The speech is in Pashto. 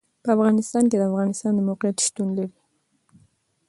په افغانستان کې د افغانستان د موقعیت شتون لري.